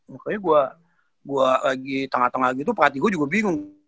makanya gue lagi tengah tengah gitu pelatih gue juga bingung